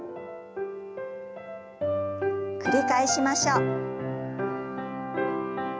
繰り返しましょう。